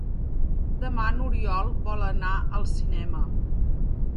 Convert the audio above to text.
Demà n'Oriol vol anar al cinema.